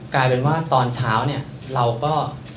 กลายเป็นว่าตอนเช้าเนี่ยเราก็